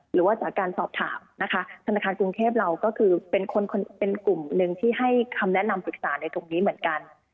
หรือว่าจากการสอบถามนะคะธนาคารกรุงเทพเราก็คือเป็นคนเป็นกลุ่มหนึ่งที่ให้คำแนะนำปรึกษาในตรงนี้เหมือนกัน